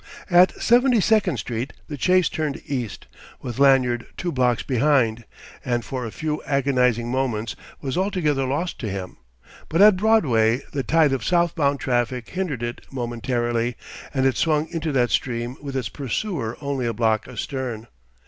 At Seventy second Street the chase turned east, with Lanyard two blocks behind, and for a few agonizing moments was altogether lost to him. But at Broadway the tide of southbound traffic hindered it momentarily, and it swung into that stream with its pursuer only a block astern.